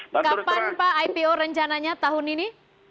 kapan pak ipo rencananya tahun ini